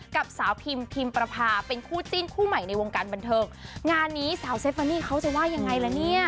กับสาวพิมพิมประพาเป็นคู่จิ้นคู่ใหม่ในวงการบันเทิงงานนี้สาวเซฟานี่เขาจะว่ายังไงละเนี่ย